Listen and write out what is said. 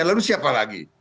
lalu siapa lagi